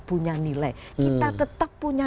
punya nilai kita tetap punya